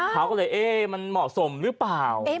เขาก็เลยเอ๊ะมันเหมาะสมหรือเปล่า